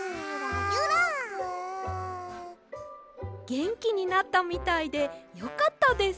げんきになったみたいでよかったです！